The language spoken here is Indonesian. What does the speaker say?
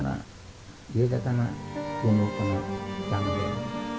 saya akan berbual dengan ayah